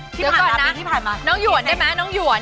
เดี๋ยวก่อนนะมีที่ผ่านมาแล้วใช่ไหมครับกะเตี๊ยวไหมครับ